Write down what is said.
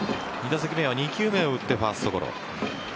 ２打席目は２球目を打ってファーストゴロ。